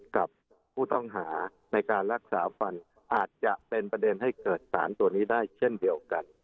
กับผู้ต้องหาในการรักษาฟันอาจจะเป็นประเด็นให้เกิดสารตัวนี้ได้เช่นเดียวกัน